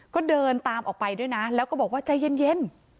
ก็เดินตามออกไปด้วยนะแล้วก็บอกว่าใจเย็น